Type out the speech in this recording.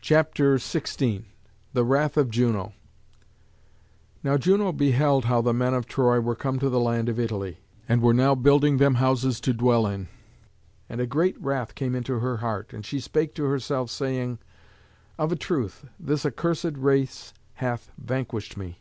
CHAPTER XVI. THE WRATH OF JUNO. Now Juno beheld how the men of Troy were come to the land of Italy, and were now building them houses to dwell in; and great wrath came into her heart, and she spake to herself, saying, "Of a truth this accursed race hath vanquished me.